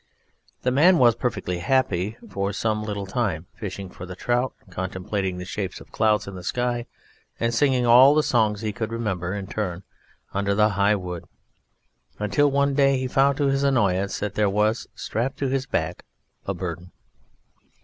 This man was perfectly happy for some little time, fishing for the trout, contemplating the shapes of clouds in the sky, and singing all the songs he could remember in turn under the high wood, till one day he found, to his annoyance, that there was strapped to his back a Burden.